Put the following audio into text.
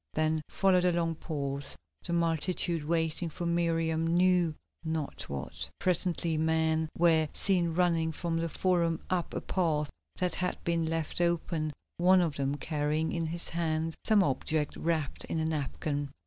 Then followed a long pause, the multitude waiting for Miriam knew not what. Presently men were seen running from the Forum up a path that had been left open, one of them carrying in his hand some object wrapped in a napkin.